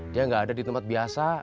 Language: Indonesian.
dia nggak ada di tempat biasa